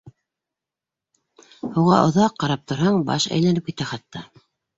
Һыуға оҙаҡ ҡарап торһаң, баш әйләнеп китә хатта.